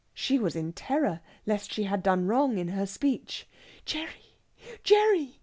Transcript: She was in terror lest she had done wrong in her speech. "Gerry, Gerry!"